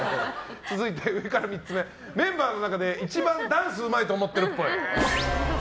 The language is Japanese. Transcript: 続いて上から３つ目メンバーの中で一番ダンスうまいと思っているっぽい。